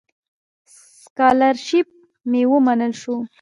سکالرشیپ مې ومنل شو.